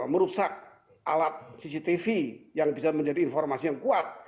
merusak alat cctv yang bisa menjadi informasi yang kuat